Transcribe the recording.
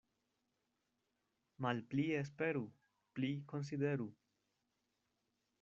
Malpli esperu, pli konsideru.